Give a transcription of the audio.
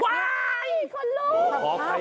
ว้าวคลุ้ม